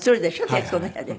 『徹子の部屋』で。